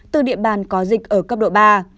từ địa bàn có dịch ở cấp độ ba